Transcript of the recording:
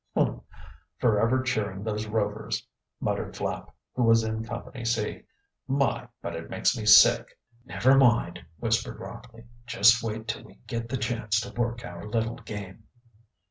"Humph! Forever cheering those Rovers!" muttered Flapp, who was in Company C. "My, but it makes me sick!" "Never mind," whispered Rockley. "Just wait till we get the chance to work our little game."